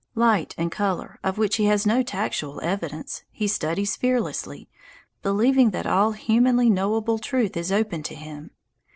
Light and colour, of which he has no tactual evidence, he studies fearlessly, believing that all humanly knowable truth is open to him.